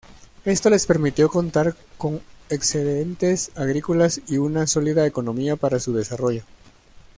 Esto les permitió contar con excedentes agrícolas y una sólida economía para su desarrollo.